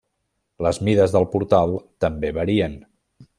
Les mides del portal també varien.